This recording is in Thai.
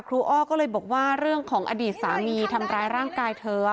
อ้อก็เลยบอกว่าเรื่องของอดีตสามีทำร้ายร่างกายเธอ